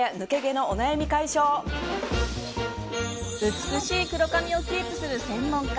美しい黒髪をキープする専門家。